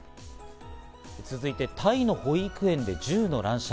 続いてタイの保育園で銃の乱射。